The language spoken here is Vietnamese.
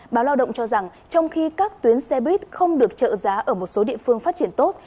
báo lao động cho rằng trong khi các tuyến xe buýt không được trợ giá ở một số địa phương phát triển tốt